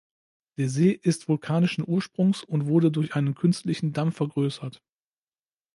Der See ist vulkanischen Ursprungs und wurde durch einen künstlichen Damm vergrößert.